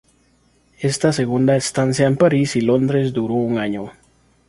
Esta segunda estancia en París y Londres duró un año.